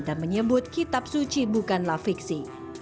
dan menyebut kitab suci bukanlah fiksi